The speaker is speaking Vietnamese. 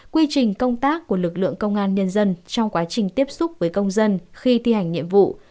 quy trình công tác của lực lượng công an nhân dân trong quá trình tiếp xúc với công dân khi thi hành nhiệm vụ